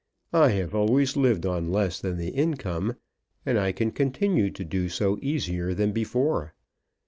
I have always lived on less than the income, and I can continue to do so easier than before.